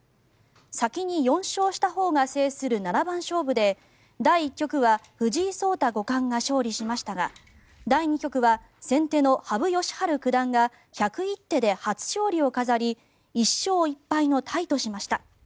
先に４勝したほうが制する七番勝負で第１局は藤井聡太五冠が勝利しましたが第２局は先手の羽生善治九段が１０１手で初勝利を飾り１勝１敗のタイとしました。